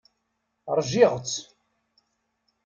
Ṛjiɣ-tt.